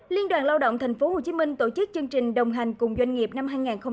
liên đoàn lao động tp hcm tổ chức chương trình đồng hành cùng doanh nghiệp năm hai nghìn hai mươi bốn